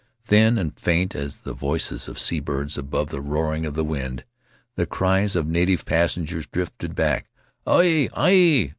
Thin and faint as the voices of sea birds above the roaring of the wind, the cries of native passengers drifted back, "Aue! Aue!